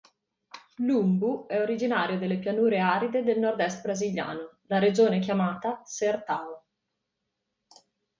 L'umbu è originario delle pianure aride del nordest brasiliano, la regione chiamata Sertão.